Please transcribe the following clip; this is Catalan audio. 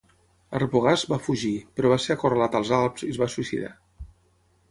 Arbogast va fugir, però va ser acorralat als Alps i es va suïcidar.